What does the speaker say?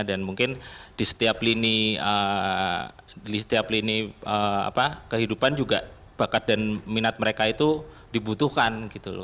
dan mungkin di setiap lini kehidupan juga bakat dan minat mereka itu dibutuhkan